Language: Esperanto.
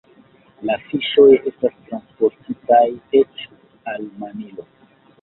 La fiŝoj estas transportitaj eĉ al Manilo.